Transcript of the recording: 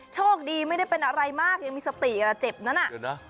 โชคดีไม่ได้เป็นอะไรมากยังมีสติเลยเจ็บนั้น